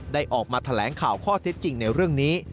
ออกมาแถลงข่าวข้อเท็จจริงในเรื่องนี้